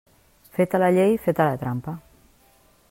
Feta la llei, feta la trampa.